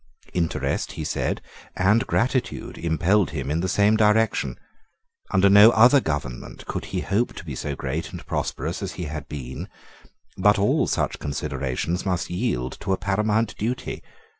Interest, he said, and gratitude impelled him in the same direction. Under no other government could he hope to be so great and prosperous as he had been: but all such considerations must yield to a paramount duty.